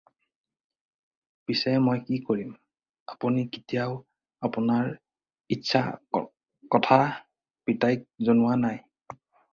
পিচে মই কি কৰিম! আপুনি কেতিয়াও আপোনাৰ ইচ্ছাৰ কথা পিতাইক জনোৱা নাই।